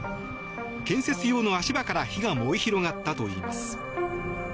建設用の足場から火が燃え広がったといいます。